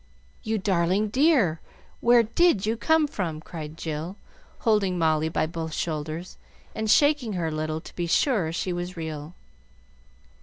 "You darling dear! where did you come from?" cried Jill, holding Molly by both shoulders, and shaking her a little to be sure she was real.